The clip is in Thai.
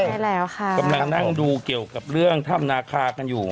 ใช่แล้วค่ะกำลังนั่งดูเกี่ยวกับเรื่องถ้ำนาคากันอยู่